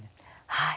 はい。